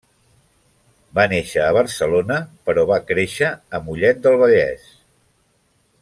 Va néixer a Barcelona però va créixer a Mollet del Vallès.